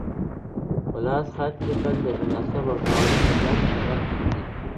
په لاس خط لیکل د تناسب او توازن د درک سبب ګرځي.